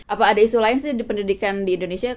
apa ada isu lain sih di pendidikan di indonesia